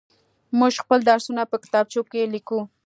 موږ خپل درسونه په کتابچو کې ليكو.